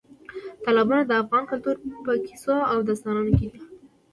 تالابونه د افغان کلتور په کیسو او داستانونو کې دي.